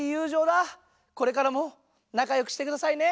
これからもなかよくしてくださいね。